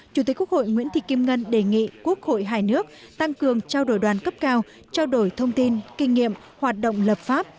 chủ tịch quốc hội nguyễn thị kim ngân đề nghị quốc hội hai nước tăng cường trao đổi đoàn cấp cao trao đổi thông tin kinh nghiệm hoạt động lập pháp